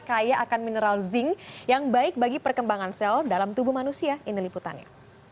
kaya akan mineral zinc yang baik bagi perkembangan sel dalam tubuh manusia ini liputannya